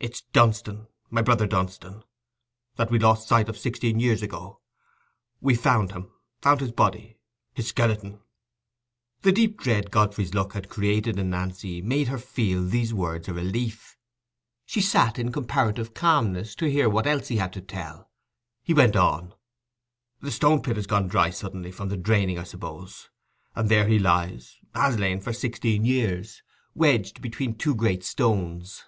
"It's Dunstan—my brother Dunstan, that we lost sight of sixteen years ago. We've found him—found his body—his skeleton." The deep dread Godfrey's look had created in Nancy made her feel these words a relief. She sat in comparative calmness to hear what else he had to tell. He went on: "The Stone pit has gone dry suddenly—from the draining, I suppose; and there he lies—has lain for sixteen years, wedged between two great stones.